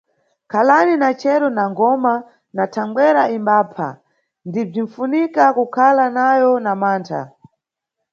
Khalani na chero na ngoma na thangwera imbapha ndi bzifunika kukhala nayo na mantha.